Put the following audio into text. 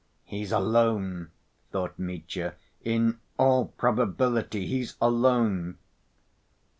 "He's alone," thought Mitya, "in all probability he's alone."